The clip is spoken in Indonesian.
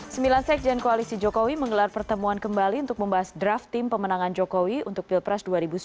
sembilan sekjen koalisi jokowi menggelar pertemuan kembali untuk membahas draft tim pemenangan jokowi untuk pilpres dua ribu sembilan belas